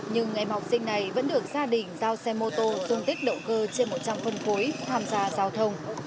nhưng em học sinh này vẫn được gia đình giao xe mô tô dung tích động cơ trên một trăm linh phân phối tham gia giao thông